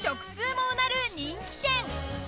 もうなる人気店。